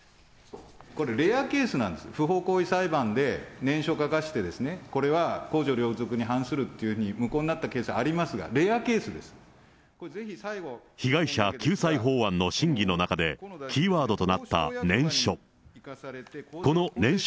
これ、レアケースなんです、不法行為裁判で、念書書かせてですね、これは公序良俗に反すると無効になったケースありますが、被害者救済法案の審議の中で、キーワードとなった念書。